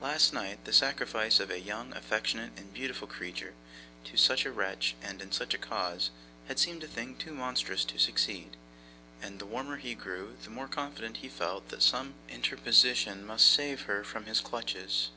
Last night, the sacrifice of a young, affectionate, and beautiful creature, to such a wretch, and in such a cause, had seemed a thing too monstrous to succeed; and the warmer he grew, the more confident he felt that some interposition must save her from his clutches.